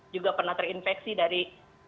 juga pernah terinfeksi dari